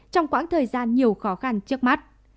trong quãng thời gian nhiều khó khăn trước mắt